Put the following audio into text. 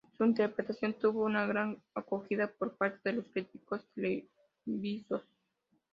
Su interpretación tuvo una gran acogida por parte de los críticos televisivos.